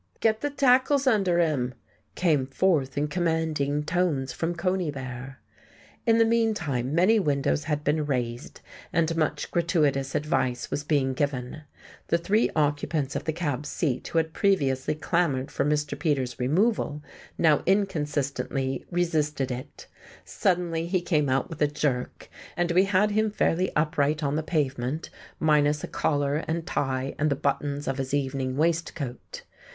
"Get the tackles under him!" came forth in commanding tones from Conybear. In the meantime many windows had been raised and much gratuitous advice was being given. The three occupants of the cab's seat who had previously clamoured for Mr. Peters' removal, now inconsistently resisted it; suddenly he came out with a jerk, and we had him fairly upright on the pavement minus a collar and tie and the buttons of his evening waistcoat.